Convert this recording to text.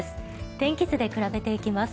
天気図で比べていきます。